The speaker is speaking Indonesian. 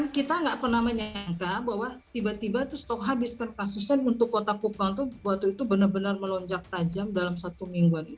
kita tidak pernah menyangka bahwa tiba tiba stok habiskan kasusnya untuk kota kupang itu benar benar melonjak tajam dalam satu mingguan